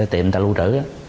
tiệm ta lưu trữ á